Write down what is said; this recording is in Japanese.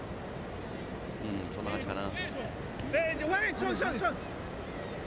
そんな感じかな？